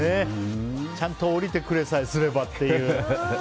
ちゃんと降りてくれさえすればっていう。